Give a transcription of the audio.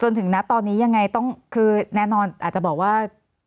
จนถึงนับตอนนี้ยังไงคือแน่นอนอาจจะบอกว่า